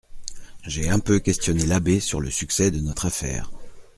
J'ai un peu questionné l'abbé sur le succès de notre affaire.